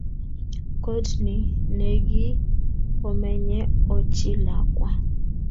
koot ni nekiomenye ochi lakwa